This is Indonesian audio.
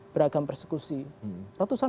beragam persekusi ratusan